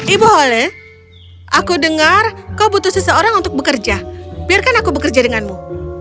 ibu hole aku dengar kau butuh seseorang untuk bekerja biarkan aku bekerja denganmu